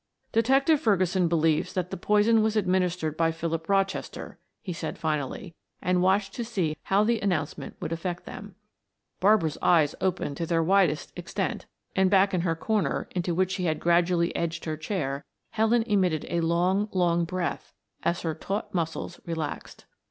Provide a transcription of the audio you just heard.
"Detective Ferguson believes that the poison was administered by Philip Rochester," he said finally, and watched to see how the announcement would affect them. Barbara's eyes opened to their widest extent, and back in her corner, into which she had gradually edged her chair, Helen emitted a long, long breath as her taut muscles relaxed.